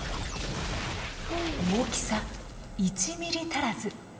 大きさ１ｍｍ足らず。